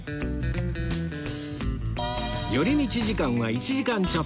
寄り道時間は１時間ちょっと